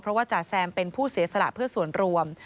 เพราะว่าจ่าแซมเป็นผู้เสียสละเพื่อส่วนรวม